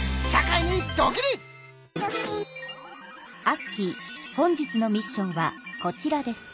アッキー本日のミッションはこちらです。